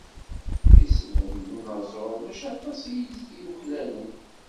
Isem n unaẓur mačči aṭṭas i t-yuklalen.